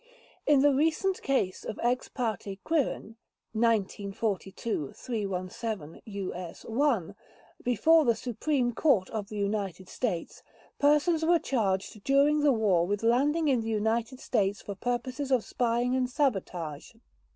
In the recent case of Ex Parte Quirin (1942 317 U.S. 1), before the Supreme Court of the United States, persons were charged during the war with landing in the United States for purposes of spying and sabotage.